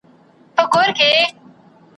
اوس به څوک د مظلومانو چیغي واوري ,